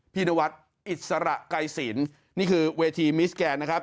พี่นวัดอิสระไก่ศีลนี่คือเวทีมิสแกนนะครับ